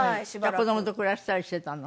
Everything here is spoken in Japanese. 子供と暮らしたりしてたの？